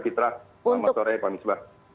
selamat sore pak misbah hasan dari fitra